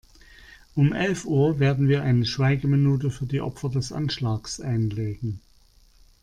Um elf Uhr werden wir eine Schweigeminute für die Opfer des Anschlags einlegen.